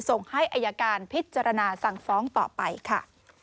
ส่งให้อายการพิจารณาสั่งฟ้องต่อไปค่ะ